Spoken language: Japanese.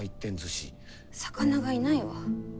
魚がいないわ。